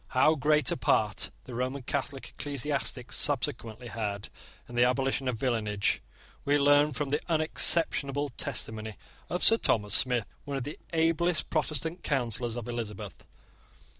How great a part the Roman Catholic ecclesiastics subsequently had in the abolition of villenage we learn from the unexceptionable testimony of Sir Thomas Smith, one of the ablest Protestant counsellors of Elizabeth.